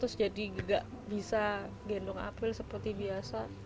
dia tidak bisa gendong april seperti biasa